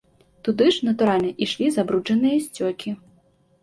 Туды ж, натуральна, ішлі забруджаныя сцёкі.